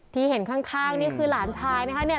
ที่เห็นข้างนี่คือหลานชายนี่ค่ะ